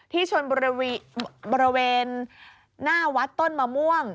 บริเวณหน้าวัดต้นมะม่วง